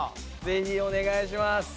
ぜひお願いします！